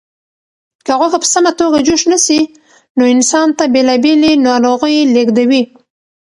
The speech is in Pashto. که غوښه په سمه توګه جوش نشي نو انسان ته بېلابېلې ناروغۍ لېږدوي.